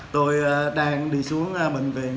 tôi đang đi xuống bệnh viện